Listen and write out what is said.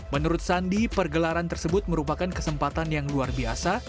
menurut sandi pergelaran tersebut merupakan kesempatan yang luar biasa